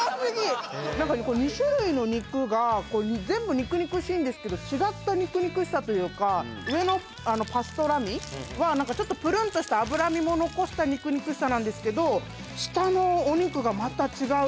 ２種類の肉が全部肉々しいんですけど違った肉々しさというか上のパストラミは何かちょっとプルンとした脂身も残した肉々しさなんですけど下のお肉がまた違う